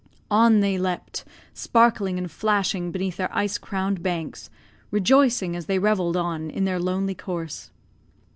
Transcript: On they leaped, sparkling and flashing beneath their ice crowned banks, rejoicing as they revelled on in their lonely course.